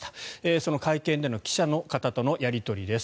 その会見での記者の方とのやり取りです。